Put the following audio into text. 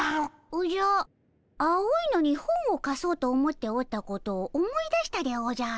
おじゃ青いのに本をかそうと思っておったことを思い出したでおじゃる。